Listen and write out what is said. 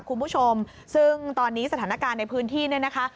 คุณผู้ชมซึ่งตอนนี้สถานการณ์ในพื้นที่เนี่ยนะคะ